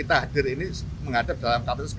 nah itu urusannya ketua umum bukan urusan kita